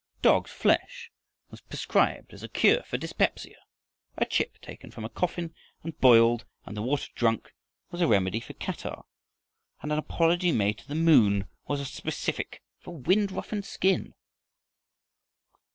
Dog's flesh was prescribed as a cure for dyspepsia, a chip taken from a coffin and boiled and the water drunk was a remedy for catarrh, and an apology made to the moon was a specific for wind roughened skin.